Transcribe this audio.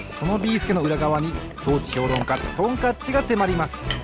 すけのうらがわに装置評論家トンカッチがせまります